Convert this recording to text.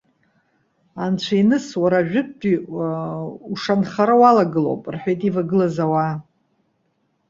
Анцәаиныс уара ажәытәтәи ушанхара уалагылоуп,- рҳәеит ивагылаз ауаа.